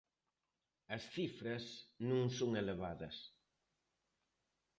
As cifras non son elevadas.